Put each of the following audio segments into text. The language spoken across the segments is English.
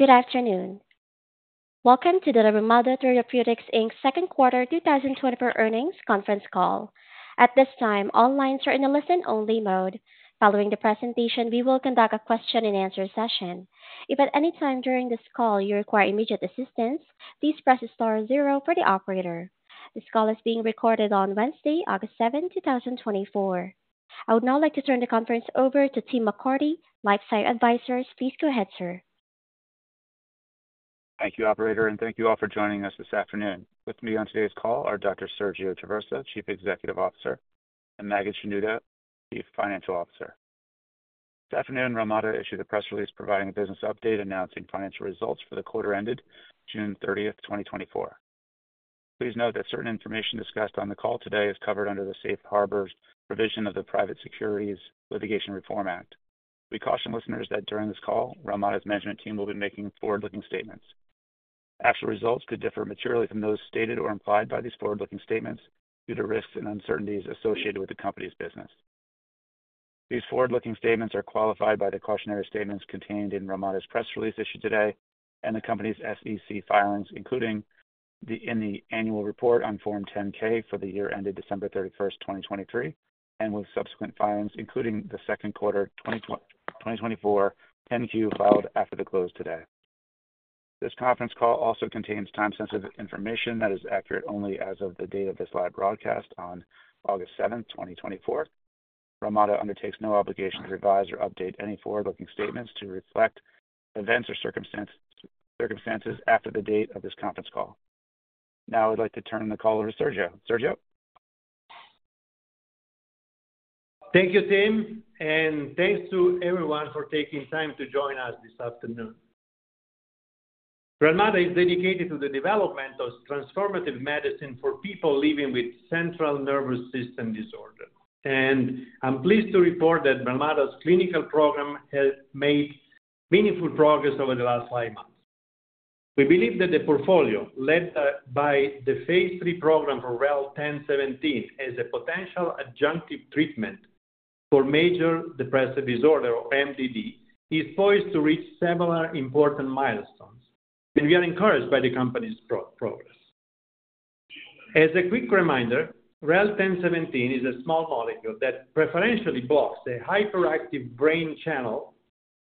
Good afternoon. Welcome to the Relmada Therapeutics, Inc. Second Quarter 2024 Earnings Conference Call. At this time, all lines are in a listen-only mode. Following the presentation, we will conduct a question-and-answer session. If at any time during this call you require immediate assistance, please press star zero for the operator. This call is being recorded on Wednesday, 7 August 2024. I would now like to turn the conference over to Tim McCarthy, LifeSci Advisors. Please go ahead, sir. Thank you, Operator, and thank you all for joining us this afternoon. With me on today's call are Dr. Sergio Traversa, Chief Executive Officer, and Maged Shenouda, Chief Financial Officer. This afternoon, Relmada issued a press release providing a business update announcing financial results for the quarter ended 30 June 2024. Please note that certain information discussed on the call today is covered under the Safe Harbor provisions of the Private Securities Litigation Reform Act. We caution listeners that during this call, Relmada's management team will be making forward-looking statements. Actual results could differ materially from those stated or implied by these forward-looking statements due to risks and uncertainties associated with the company's business. These forward-looking statements are qualified by the cautionary statements contained in Relmada's press release issued today and the company's SEC filings, including in the annual report on Form 10-K for the year ended 31 December 2023, and with subsequent filings, including the second quarter 2024 10-Q filed after the close today. This conference call also contains time-sensitive information that is accurate only as of the date of this live broadcast on 7 August 2024. Relmada undertakes no obligation to revise or update any forward-looking statements to reflect events or circumstances after the date of this conference call. Now I'd like to turn the call over to Sergio. Sergio? Thank you, Tim, and thanks to everyone for taking time to join us this afternoon. Relmada is dedicated to the development of transformative medicine for people living with central nervous system disorder, and I'm pleased to report that Relmada's clinical program has made meaningful progress over the last five months. We believe that the portfolio led by the Phase III program for REL-1017 as a potential adjunctive treatment for major depressive disorder, or MDD, is poised to reach several important milestones, and we are encouraged by the company's progress. As a quick reminder, REL-1017 is a small molecule that preferentially blocks a hyperactive brain channel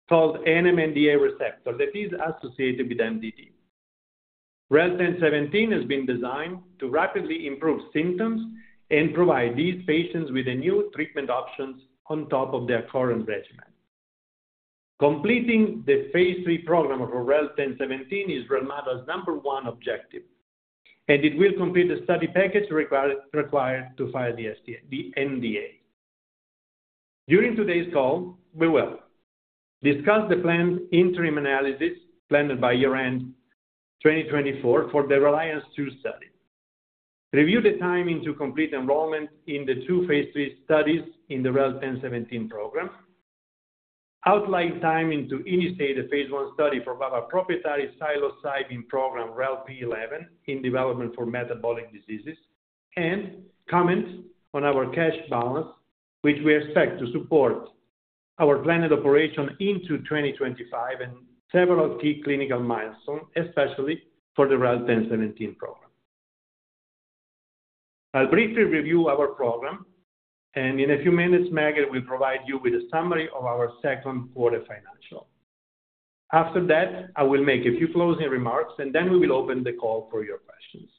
called NMDA receptor that is associated with MDD. REL-1017 has been designed to rapidly improve symptoms and provide these patients with new treatment options on top of their current regimen. Completing the Phase III program for REL-1017 is Relmada's number one objective, and it will complete the study package required to file the NDA. During today's call, we will discuss the planned interim analysis by year-end 2024 for the Reliance II study, review the timeline to complete enrollment in the two Phase III studies in the REL-1017 program, outline time to initiate a Phase I study for our proprietary psilocybin program, REL-P11, in development for metabolic diseases. And comment on our cash balance, which we expect to support our planned operations into 2025 and several key clinical milestones, especially for the REL-1017 program. I'll briefly review our program, and in a few minutes, Maged, we'll provide you with a summary of our second quarter financials. After that, I will make a few closing remarks, and then we will open the call for your questions.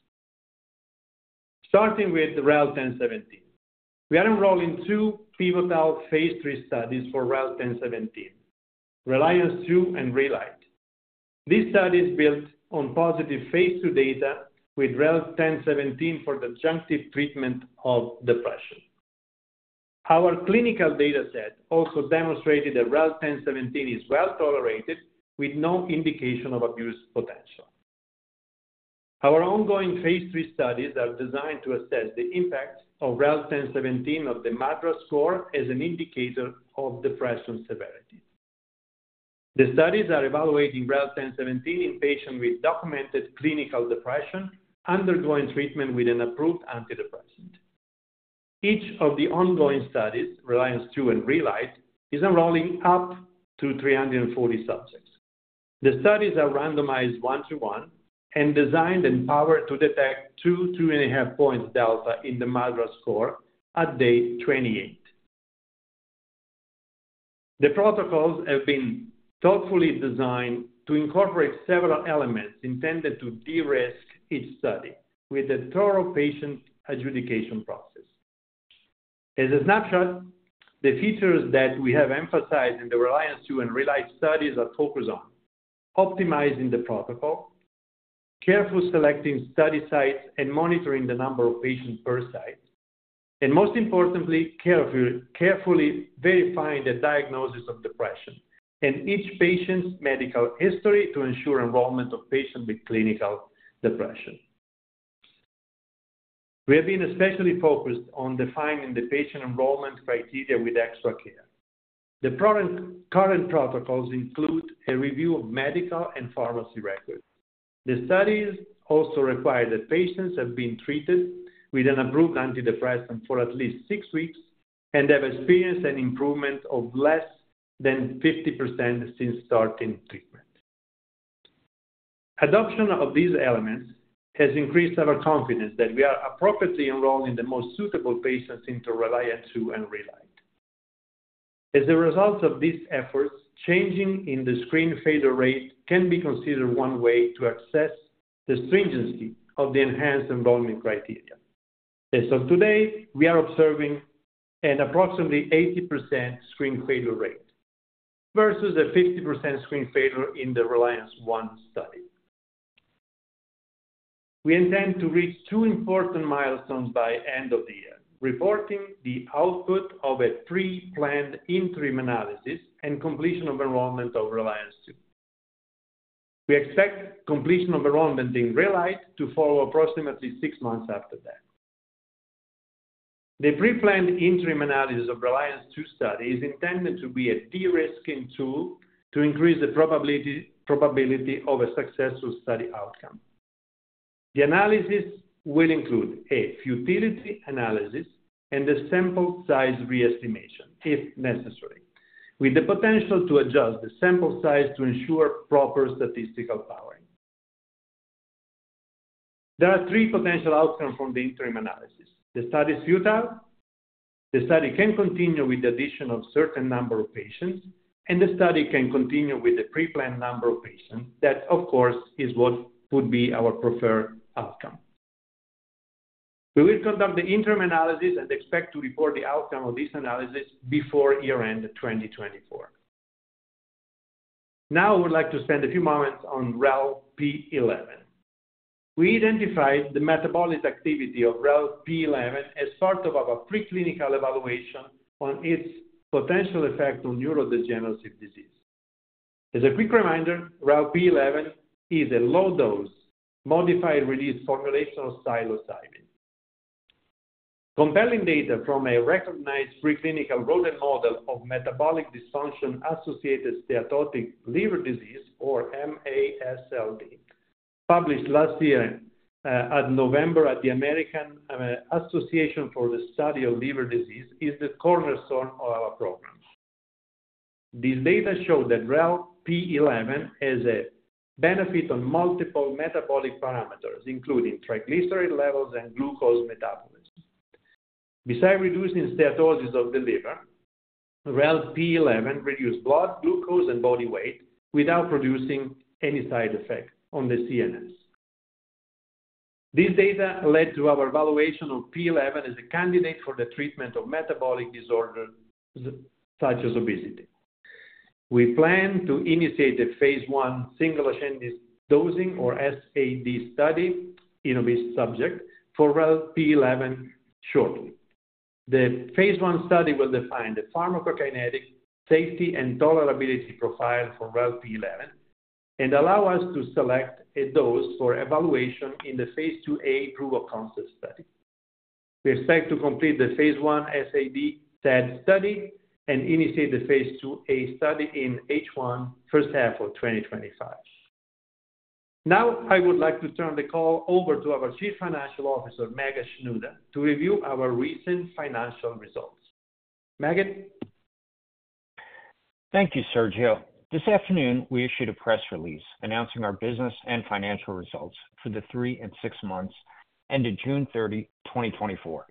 Starting with REL-1017, we are enrolling two pivotal Phase III studies for REL-1017, Reliance II and RELIGHT. These studies build on positive Phase II data with REL-1017 for the adjunctive treatment of depression. Our clinical dataset also demonstrated that REL-1017 is well tolerated with no indication of abuse potential. Our ongoing Phase III studies are designed to assess the impact of REL-1017 on the MADRS score as an indicator of depression severity. The studies are evaluating REL-1017 in patients with documented clinical depression undergoing treatment with an approved antidepressant. Each of the ongoing studies, Reliance II and RELIGHT, is enrolling up to 340 subjects. The studies are randomized 1:1 and designed and powered to detect 2, 2.5 points delta in the MADRS score at day 28. The protocols have been thoughtfully designed to incorporate several elements intended to de-risk each study with the thorough patient adjudication process. As a snapshot, the features that we have emphasized in the Reliance II and RELIGHT studies are focused on optimizing the protocol, carefully selecting study sites, and monitoring the number of patients per site, and most importantly, carefully verifying the diagnosis of depression and each patient's medical history to ensure enrollment of patients with clinical depression. We have been especially focused on defining the patient enrollment criteria with extra care. The current protocols include a review of medical and pharmacy records. The studies also require that patients have been treated with an approved antidepressant for at least six weeks and have experienced an improvement of less than 50% since starting treatment. Adoption of these elements has increased our confidence that we are appropriately enrolling the most suitable patients into Reliance II and RELIGHT. As a result of these efforts, changes in the screen failure rate can be considered one way to assess the stringency of the enhanced enrollment criteria. As of today, we are observing approximately 80% screen failure rate versus a 50% screen failure in the Reliance I study. We intend to reach two important milestones by the end of the year, reporting the output of a pre-planned interim analysis and completion of enrollment of Reliance II. We expect completion of enrollment in RELIGHT to follow approximately six months after that. The pre-planned interim analysis of Reliance II study is intended to be a de-risking tool to increase the probability of a successful study outcome. The analysis will include a futility analysis and a sample size re-estimation, if necessary, with the potential to adjust the sample size to ensure proper statistical power. There are three potential outcomes from the interim analysis: the study is futile, the study can continue with the addition of a certain number of patients, and the study can continue with the pre-planned number of patients, that, of course, is what would be our preferred outcome. We will conduct the interim analysis and expect to report the outcome of this analysis before year-end 2024. Now I would like to spend a few moments on REL-P11. We identified the metabolic activity of REL-P11 as part of our preclinical evaluation on its potential effect on neurodegenerative disease. As a quick reminder, REL-P11 is a low-dose modified release formulation of psilocybin. Compelling data from a recognized preclinical rodent model of metabolic dysfunction-associated steatotic liver disease, or MASLD, published last year in November at the American Association for the Study of Liver Diseases, is the cornerstone of our program. These data show that REL-P11 has a benefit on multiple metabolic parameters, including triglyceride levels and glucose metabolism. Besides reducing steatosis of the liver, REL-P11 reduces blood glucose and body weight without producing any side effect on the CNS. These data led to our evaluation of REL-P11 as a candidate for the treatment of metabolic disorders such as obesity. We plan to initiate a Phase I single ascending dose, or SAD, study in obese subjects for REL-P11 shortly. The Phase I study will define the pharmacokinetic safety and tolerability profile for REL-P11 and allow us to select a dose for evaluation in the Phase IIa proof-of-concept study. We expect to complete the Phase I SAD study and initiate the Phase IIa study in H1, first half of 2025. Now I would like to turn the call over to our Chief Financial Officer, Maged Shenouda, to review our recent financial results. Maged? Thank you, Sergio. This afternoon, we issued a press release announcing our business and financial results for the three and six months ended 30 June 2024.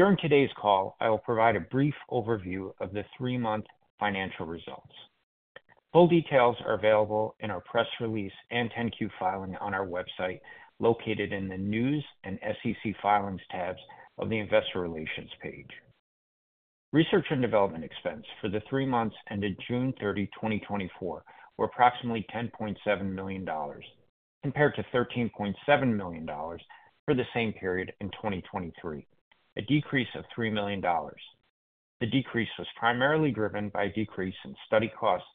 During today's call, I will provide a brief overview of the three-month financial results. Full details are available in our press release and 10-Q filing on our website located in the News and SEC Filings tabs of the Investor Relations page. Research and development expense for the three months ended 30 June 2024, were approximately $10.7 million, compared to $13.7 million for the same period in 2023, a decrease of $3 million. The decrease was primarily driven by a decrease in study costs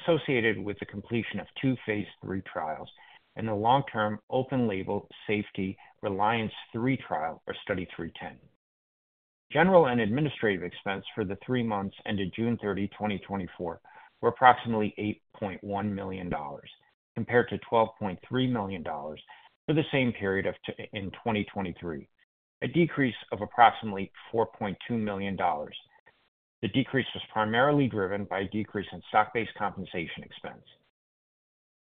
associated with the completion of two Phase III trials and the long-term open-label safety Reliance III trial, or Study 310. General and administrative expense for the three months ended 30 June 2024, were approximately $8.1 million, compared to $12.3 million for the same period in 2023, a decrease of approximately $4.2 million. The decrease was primarily driven by a decrease in stock-based compensation expense.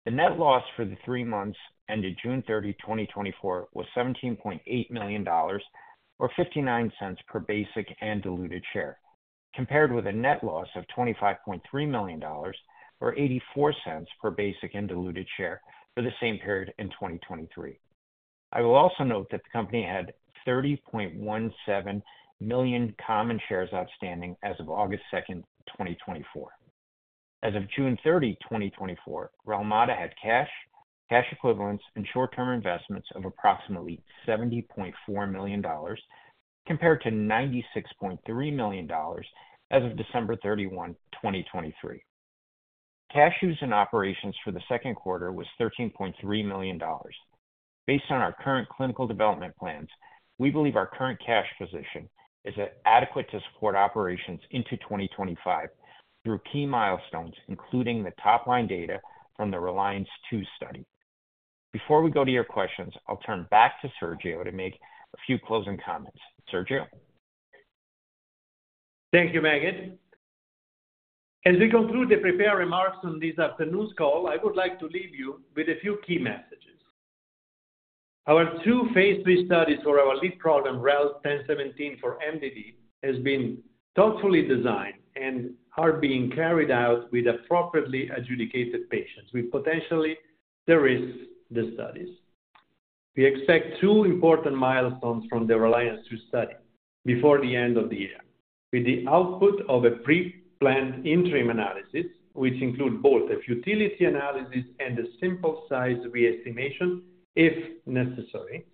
The net loss for the three months ended 30 June 2024, was $17.8 million, or $0.59 per basic and diluted share, compared with a net loss of $25.3 million, or $0.84 per basic and diluted share for the same period in 2023. I will also note that the company had 30.17 million common shares outstanding as of 2 August 2024. As of 30 June 2024, Relmada had cash, cash equivalents, and short-term investments of approximately $70.4 million, compared to $96.3 million as of 31 December 2023. Cash use in operations for the second quarter was $13.3 million. Based on our current clinical development plans, we believe our current cash position is adequate to support operations into 2025 through key milestones, including the top-line data from the Reliance II study. Before we go to your questions, I'll turn back to Sergio to make a few closing comments. Sergio? Thank you, Maged. As we conclude the prepared remarks on this afternoon's call, I would like to leave you with a few key messages. Our two Phase III studies for our lead program, REL-1017 for MDD, have been thoughtfully designed and are being carried out with appropriately adjudicated patients with potentially de-risked studies. We expect two important milestones from the Reliance II study before the end of the year, with the output of a pre-planned interim analysis, which includes both a futility analysis and a sample size re-estimation if necessary,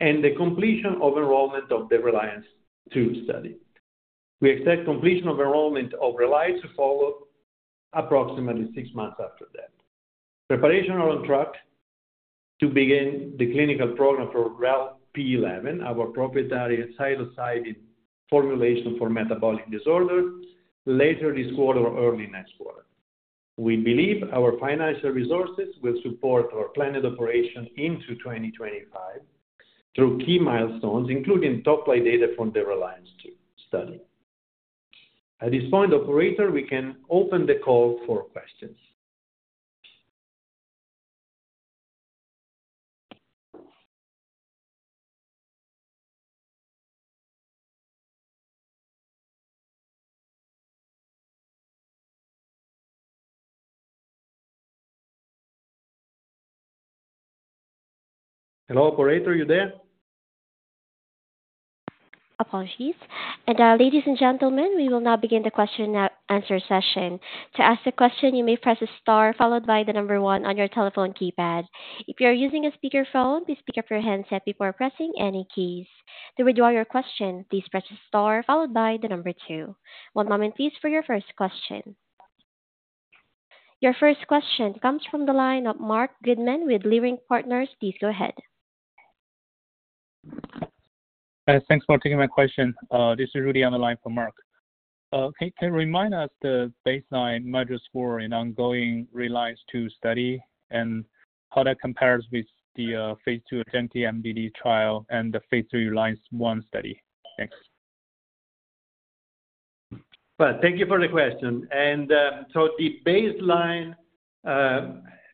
and the completion of enrollment of the Reliance II study. We expect completion of enrollment of RELIGHT to follow approximately six months after that. Preparations on track to begin the clinical program for REL-P11, our proprietary psilocybin formulation for metabolic disorders, later this quarter or early next quarter. We believe our financial resources will support our planned operation into 2025 through key milestones, including top-line data from the Reliance II study. At this point, Operator, we can open the call for questions. Hello, Operator, you there? Apologies. Ladies and gentlemen, we will now begin the question and answer session. To ask a question, you may press a star followed by the number one on your telephone keypad. If you are using a speakerphone, please pick up your handset before pressing any keys. To withdraw your question, please press a star followed by the number two. One moment, please, for your first question. Your first question comes from the line of Marc Goodman with Leerink Partners. Please go ahead. Thanks for taking my question. This is Rudy on the line for Marc. Can you remind us the baseline MADRS score in ongoing Reliance II study and how that compares with the Phase II adjunctive MDD trial and the Phase III Reliance I study? Thanks. Well, thank you for the question. And so the baseline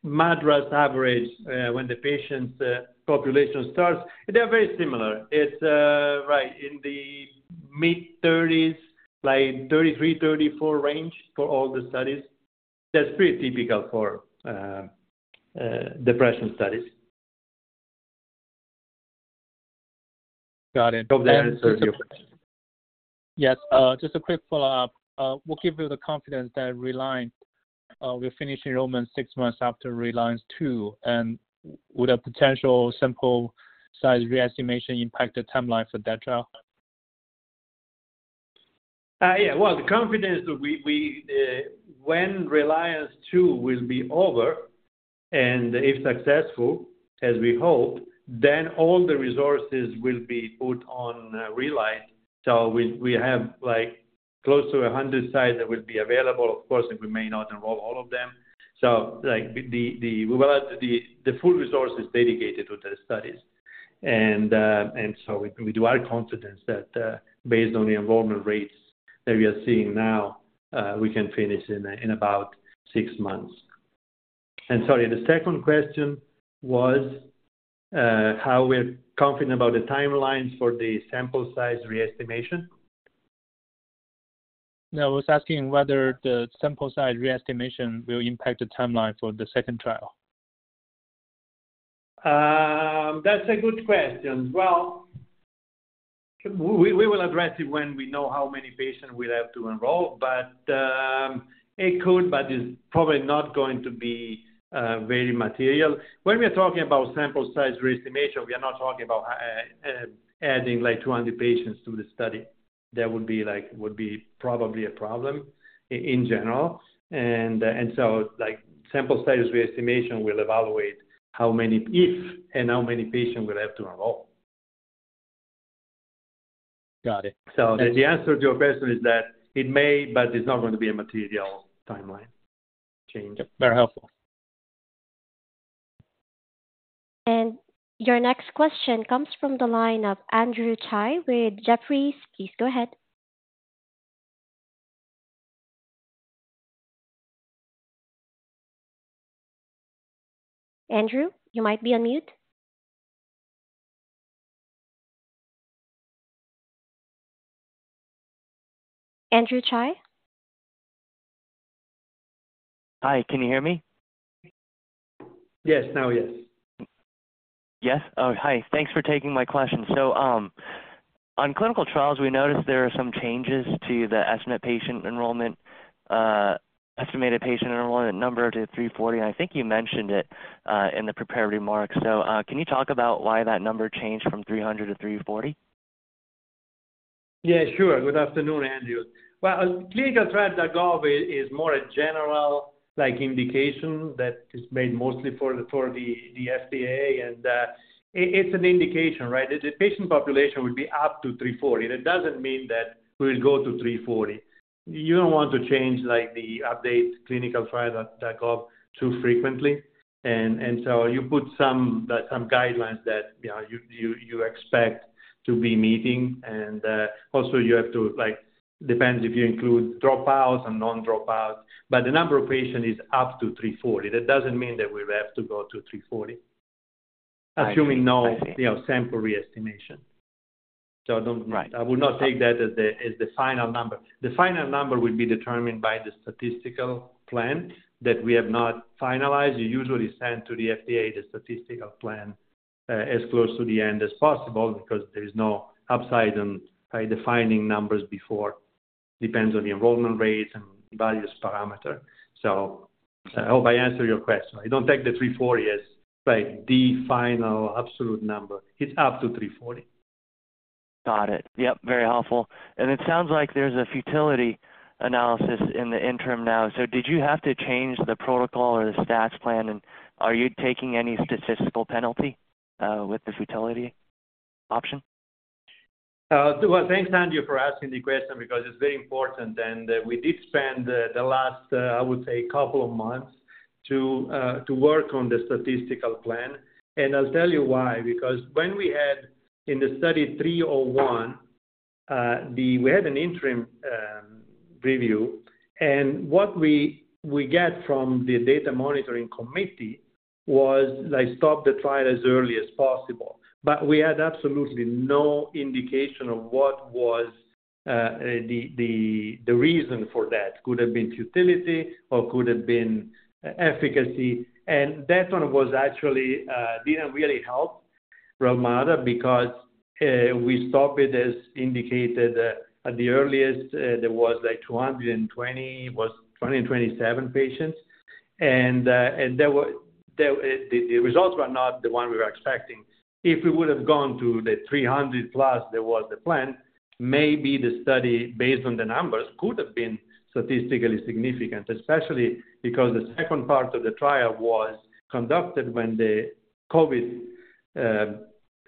MADRS average when the patients' population starts, they are very similar. It's right in the mid-30s, like 33-34 range for all the studies. That's pretty typical for depression studies. Got it. Hope that answers your question. Yes. Just a quick follow-up. What gives you the confidence that we'll finish enrollment six months after Reliance II, and would a potential sample size re-estimation impact the timeline for that trial? Yeah. Well, the confidence that when Reliance II will be over, and if successful, as we hope, then all the resources will be put on RELIGHT. So, we have close to 100 sites that will be available, of course, and we may not enroll all of them. So, the full resource is dedicated to the studies. And so, we do have confidence that based on the enrollment rates that we are seeing now, we can finish in about six months. And sorry, the second question was how we're confident about the timelines for the sample size re-estimation? No. I was asking whether the sample size re-estimation will impact the timeline for the second trial. That's a good question. Well, we will address it when we know how many patients we have to enroll, but it could, but it's probably not going to be very material. When we are talking about sample size re-estimation, we are not talking about adding like 200 patients to the study. That would be probably a problem in general. And so sample size re-estimation will evaluate how many if and how many patients we'll have to enroll. Got it. The answer to your question is that it may, but it's not going to be a material timeline change. Very helpful. Your next question comes from the line of Andrew Tsai with Jefferies. Please go ahead. Andrew, you might be on mute. Andrew Tsai? Hi. Can you hear me? Yes. Now, yes. Yes. Oh, hi. Thanks for taking my question. So on clinical trials, we noticed there are some changes to the estimate patient enrollment, estimated patient enrollment number to 340. And I think you mentioned it in the prepared remarks. So can you talk about why that number changed from 300 to 340? Yeah, sure. Good afternoon, Andrew. Well, ClinicalTrials.gov is more a general indication that is made mostly for the FDA, and it's an indication, right? The patient population would be up to 340. That doesn't mean that we will go to 340. You don't want to change the update ClinicalTrials.gov too frequently. And so you put some guidelines that you expect to be meeting. And also, you have to depend if you include dropouts and non-dropouts. But the number of patients is up to 340. That doesn't mean that we have to go to 340, assuming no sample re-estimation. So, I will not take that as the final number. The final number will be determined by the statistical plan that we have not finalized. You usually send to the FDA the statistical plan as close to the end as possible because there is no upside in defining numbers before. Depends on the enrollment rates and various parameters. I hope I answered your question. I don't take the 340 as the final absolute number. It's up to 340. Got it. Yep. Very helpful. It sounds like there's a futility analysis in the interim now. Did you have to change the protocol or the stats plan, and are you taking any statistical penalty with the futility option? Well, thanks, Andrew, for asking the question because it's very important. We did spend the last, I would say, couple of months to work on the statistical plan. I'll tell you why. Because when we had in the study 301, we had an interim review. What we got from the data monitoring committee was, "Stop the trial as early as possible." We had absolutely no indication of what was the reason for that. Could have been futility or could have been efficacy. That one didn't really help Relmada because we stopped it as indicated at the earliest. There was like 227 patients. The results were not the one we were expecting. If we would have gone to the 300-plus that was the plan, maybe the study, based on the numbers, could have been statistically significant, especially because the second part of the trial was conducted when the COVID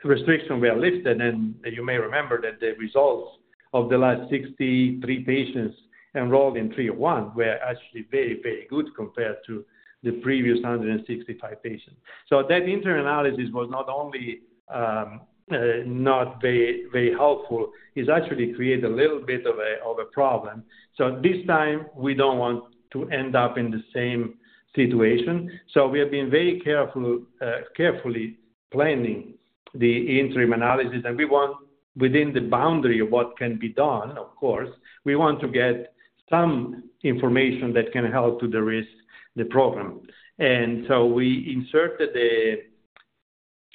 restrictions were lifted. You may remember that the results of the last 63 patients enrolled in 301 were actually very, very good compared to the previous 165 patients. That interim analysis was not only not very helpful, it actually created a little bit of a problem. This time, we don't want to end up in the same situation. We have been very carefully planning the interim analysis. Within the boundary of what can be done, of course, we want to get some information that can help to de-risk the program. We inserted the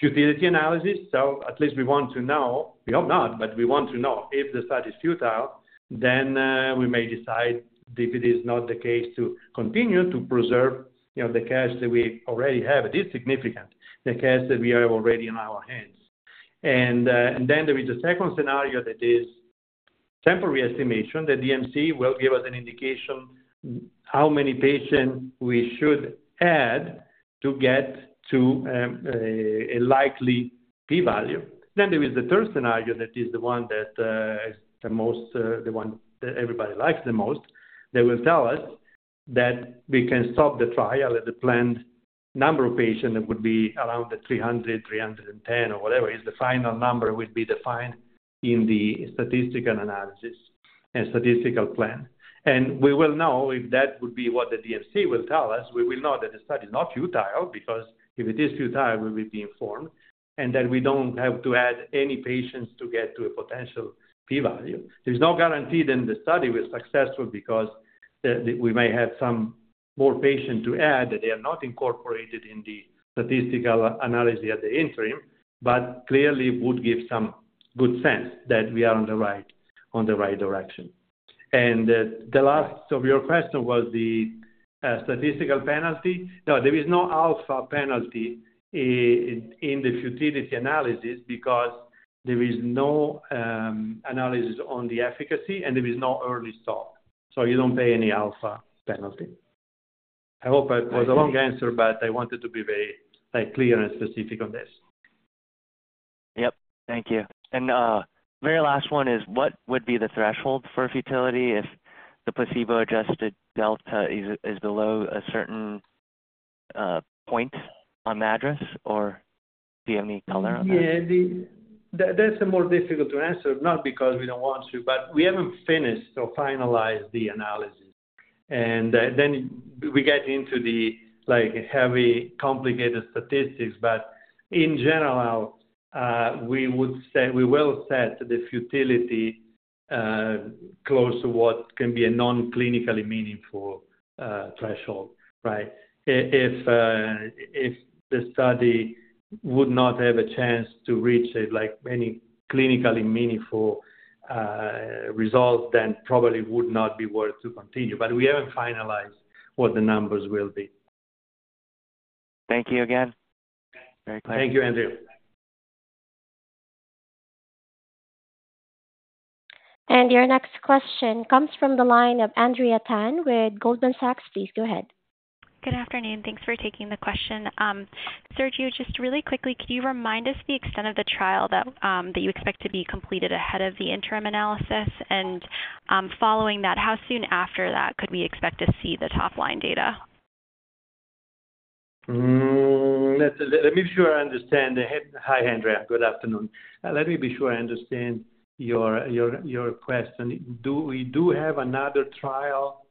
futility analysis. So at least we want to know - we hope not, but we want to know - if the study is futile, then we may decide, if it is not the case, to continue to preserve the cash that we already have. It is significant, the cash that we have already in our hands. And then there is a second scenario that is sample size re-estimation. The DMC will give us an indication of how many patients we should add to get to a likely P-value. Then there is the third scenario that is the one that is the most - the one that everybody likes the most - that will tell us that we can stop the trial at the planned number of patients that would be around 300-310, or whatever is the final number that will be defined in the statistical analysis and statistical plan. We will know if that would be what the DMC will tell us. We will know that the study is not futile because if it is futile, we will be informed. Then we don't have to add any patients to get to a potential P-value. There's no guarantee then the study was successful because we may have some more patients to add that they are not incorporated in the statistical analysis at the interim, but clearly would give some good sense that we are on the right direction. The last of your question was the statistical penalty. No, there is no alpha penalty in the futility analysis because there is no analysis on the efficacy, and there is no early stop. You don't pay any alpha penalty. I hope I was a long answer, but I wanted to be very clear and specific on this. Yep. Thank you. And very last one is, what would be the threshold for futility if the placebo-adjusted delta is below a certain point on MADRS, or do you have any color on that? Yeah. That's a more difficult to answer, not because we don't want to, but we haven't finished or finalized the analysis. Then we get into the heavy, complicated statistics. But in general, we will set the futility close to what can be a non-clinically meaningful threshold, right? If the study would not have a chance to reach any clinically meaningful results, then probably would not be worth to continue. But we haven't finalized what the numbers will be. Thank you again. Very clear. Thank you, Andrew. Your next question comes from the line of Andrea Tan with Goldman Sachs. Please go ahead. Good afternoon. Thanks for taking the question. Sir, just really quickly, could you remind us the extent of the trial that you expect to be completed ahead of the interim analysis? And following that, how soon after that could we expect to see the top-line data? Let me be sure I understand. Hi, Andrea. Good afternoon. Let me be sure I understand your question. We do have another trial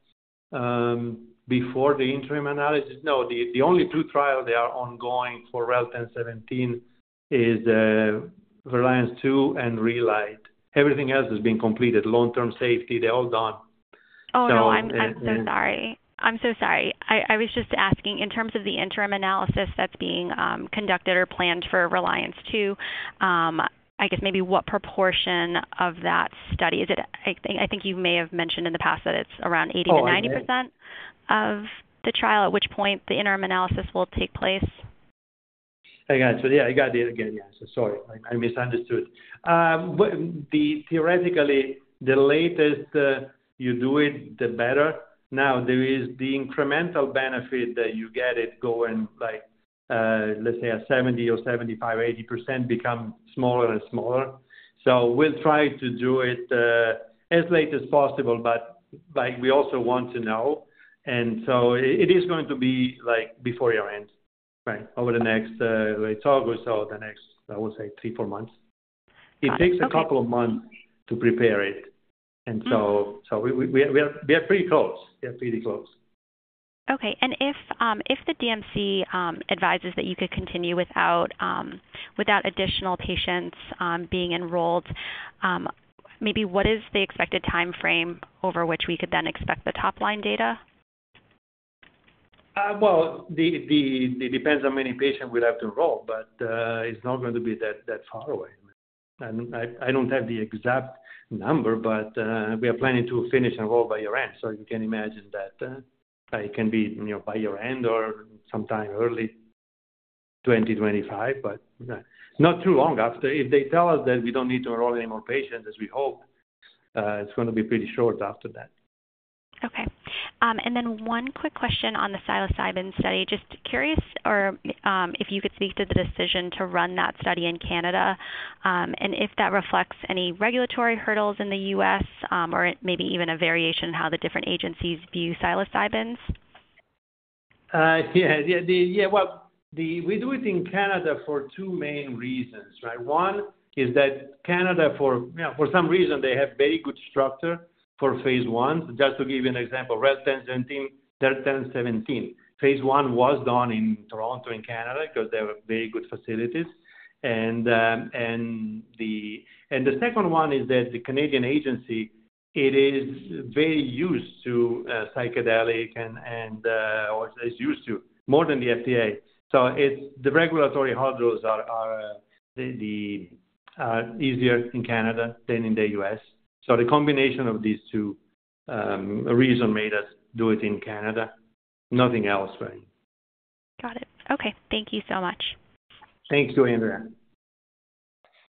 before the interim analysis. No, the only two trials that are ongoing for REL-1017 are Reliance II and RELIGHT. Everything else has been completed. Long-term safety, they're all done. Oh, no. I'm so sorry. I'm so sorry. I was just asking, in terms of the interim analysis that's being conducted or planned for Reliance II, I guess maybe what proportion of that study is it? I think you may have mentioned in the past that it's around 80% to 90% of the trial, at which point the interim analysis will take place. I gotcha. Yeah, I got it again. Yeah. Sorry. I misunderstood. Theoretically, the latest you do it, the better. Now, there is the incremental benefit that you get it going, let's say, at 70 or 75, 80% becomes smaller and smaller. So we'll try to do it as late as possible, but we also want to know. And so it is going to be before your end, right, over the next, it's August or the next, I would say, three, four months. It takes a couple of months to prepare it. And so we are pretty close. We are pretty close. Okay. And if the DMC advises that you could continue without additional patients being enrolled, maybe what is the expected timeframe over which we could then expect the top-line data? Well, it depends on how many patients we'll have to enroll, but it's not going to be that far away. I don't have the exact number, but we are planning to finish enrollment by year-end. You can imagine that it can be by year-end or sometime early 2025, but not too long after. If they tell us that we don't need to enroll any more patients, as we hope, it's going to be pretty short after that. Okay. And then one quick question on the psilocybin study. Just curious if you could speak to the decision to run that study in Canada and if that reflects any regulatory hurdles in the U.S. or maybe even a variation in how the different agencies view psilocybin. Yeah. Yeah. Well, we do it in Canada for two main reasons, right? One is that Canada, for some reason, they have very good structure for Phase I. Just to give you an example, REL-1017, Phase I was done in Toronto, in Canada, because they have very good facilities. The second one is that the Canadian agency, it is very used to psychedelic and is used to more than the FDA. So the regulatory hurdles are easier in Canada than in the U.S. So the combination of these two reasons made us do it in Canada, nothing else really. Got it. Okay. Thank you so much. Thank you, Andrea.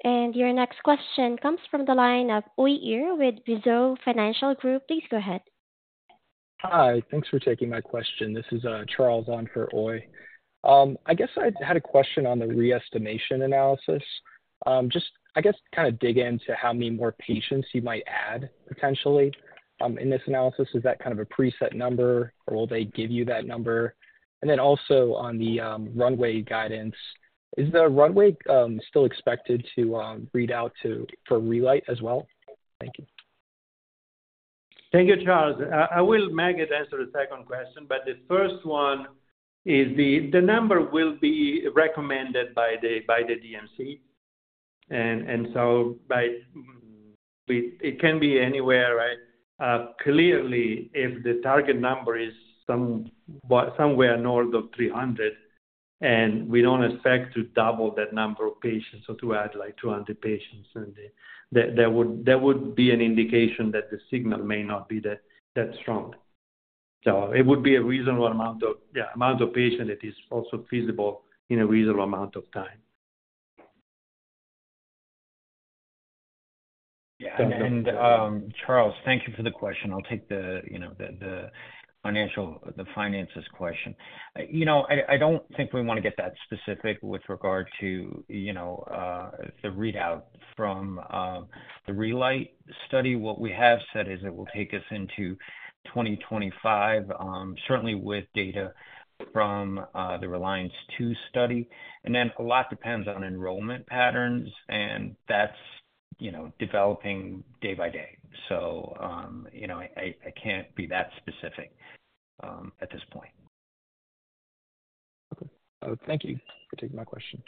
Your next question comes from the line of Uy Ear with Mizuho Financial Group. Please go ahead. Hi. Thanks for taking my question. This is Charles on for Uy. I guess I had a question on the re-estimation analysis. Just, I guess, kind of dig into how many more patients you might add potentially in this analysis. Is that kind of a preset number, or will they give you that number? And then also on the runway guidance, is the runway still expected to read out for RELIGHT as well? Thank you. Thank you, Charles. I will, Maged, answer the second question, but the first one is the number will be recommended by the DMC. And so it can be anywhere, right? Clearly, if the target number is somewhere north of 300 and we don't expect to double that number of patients or to add 200 patients, then there would be an indication that the signal may not be that strong. So it would be a reasonable amount of patients that is also feasible in a reasonable amount of time. Yeah. And Charles, thank you for the question. I'll take the finances question. I don't think we want to get that specific with regard to the readout from the RELIGHT study. What we have said is it will take us into 2025, certainly with data from the Reliance II study. And then a lot depends on enrollment patterns, and that's developing day by day. So I can't be that specific at this point. Okay. Thank you for taking my question.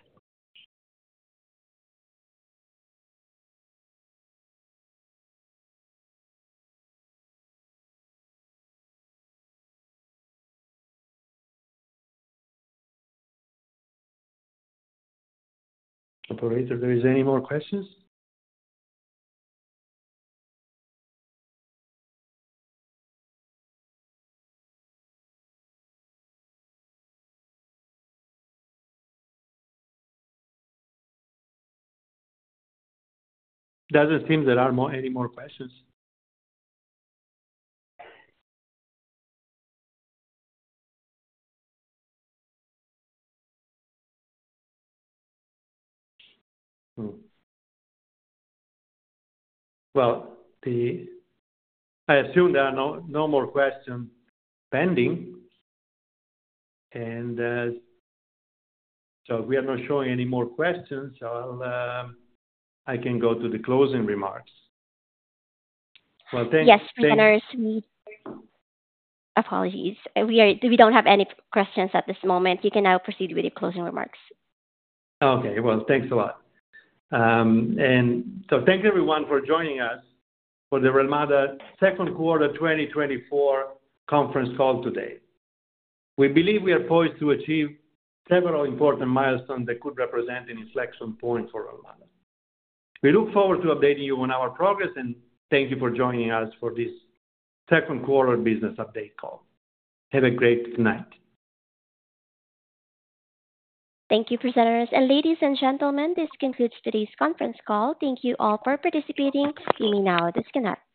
Apparently, there aren't any more questions. Doesn't seem that there are any more questions. Well, I assume there are no more questions pending. And so if we are not showing any more questions, I can go to the closing remarks. Well, thank... Yes,... Apologies. We don't have any questions at this moment. You can now proceed with your closing remarks. Okay. Well, thanks a lot. And so thank you, everyone, for joining us for the Relmada Second Quarter 2024 conference call today. We believe we are poised to achieve several important milestones that could represent an inflection point for Relmada. We look forward to updating you on our progress, and thank you for joining us for this second quarter business update call. Have a great night. Thank you, presenters. Ladies and gentlemen, this concludes today's conference call. Thank you all for participating. You may now disconnect.